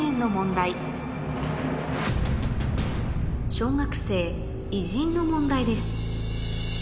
小学生の問題です